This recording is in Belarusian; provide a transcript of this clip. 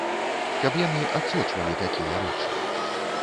Каб яны адсочвалі такія рэчы.